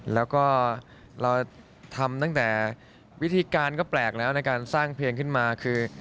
แล้วก็เราทำตั้งแต่วิธีการก็แปลกแล้วในการสร้างเพลงขึ้นมาคือ